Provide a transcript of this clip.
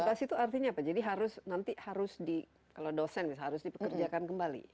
bebas itu artinya apa